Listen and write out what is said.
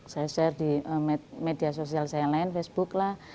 saya share di media sosial saya yang lain facebook lah